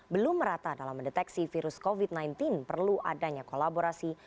belum merata dalam mendeteksi virus covid sembilan belas perlu adanya kolaborasi